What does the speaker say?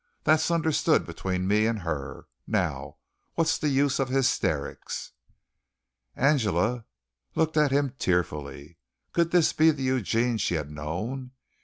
That's understood between me and her. Now what's the use of hysterics?" Angela looked at him tearfully. Could this be the Eugene she had known?